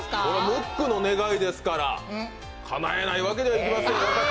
ムックの願いですからかなえないわけにはいきませんよ。